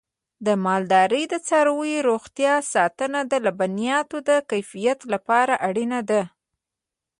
د مالدارۍ د څارویو روغتیا ساتنه د لبنیاتو د کیفیت لپاره اړینه ده.